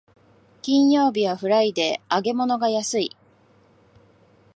金曜日はフライデー、揚げ物が安い